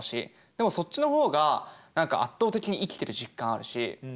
でもそっちの方が何か圧倒的に生きてる実感あるし。